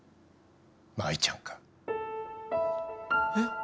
真衣ちゃんか。